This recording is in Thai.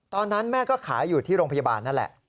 ตอนนั้นแม่ก็ขายอยู่ที่โรงพยาบาลนั่นแหละ